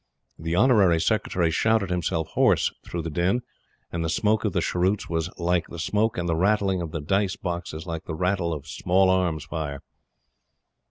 The Honorary Secretary shouted himself hoarse through the din; and the smoke of the cheroots was like the smoke, and the rattling of the dice boxes like the rattle of small arm fire.